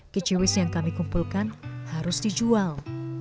kiciwis yang kami kumpulkan harus dijual